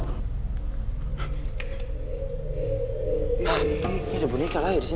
hah ini ada boneka lah disini